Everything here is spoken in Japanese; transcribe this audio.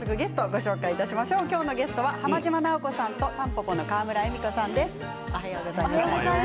今日のゲストは浜島直子さんとたんぽぽの川村エミコさんです。